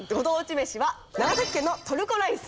めしは長崎県のトルコライス。